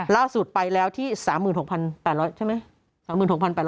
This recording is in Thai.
ล่าสุดไปแล้วที่๓๖๘๐๐ใช่ไหม